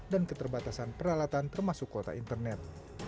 dan keterbatasan peralatan termasuk kuota internet